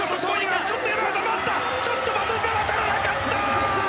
ちょっとバトンが渡らなかった。